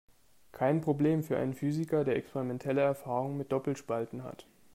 Kein Problem für einen Physiker, der experimentelle Erfahrung mit Doppelspalten hat.